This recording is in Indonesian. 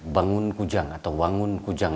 bangun kujang atau wangun kujang